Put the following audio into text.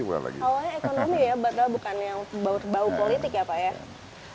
awalnya ekonomi ya bukan yang bau politik ya pak ya